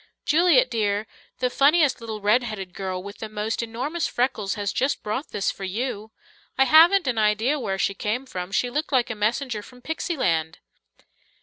"Juliet dear, the funniest little red headed girl with the most enormous freckles has just brought this for you. I haven't an idea where she came from; she looked like a messenger from pixy land."